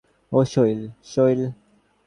ও শৈল, শৈল!